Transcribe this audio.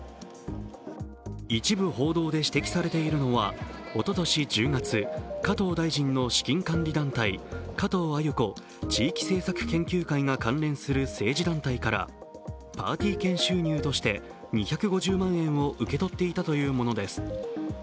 一部報道で指摘されているのはおととし１０月、加藤大臣の資金管理団体、加藤鮎子地域政策研究会が関連する政治団体からパーティー券収入として２５０万円を受け取っていたというものです。